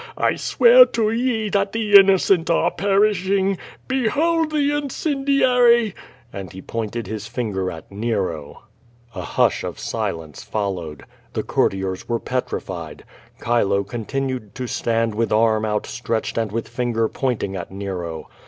I swear to ye that the innocent are perishing. Behold the incendiary!" And he pointed his finger at Xero. A hush of silence followed. The courtiers were i)otrified. Chilo continued to stand with arm outstretched and with finger pointing at Nero.